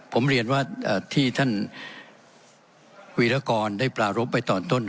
ผมเรียนว่าที่ท่านวีรกรได้ปรารบไปตอนต้น